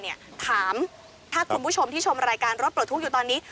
ถามถ้าคุณผู้ชมที่ชมรายการรถปลดทุกข์อยู่ตอนนี้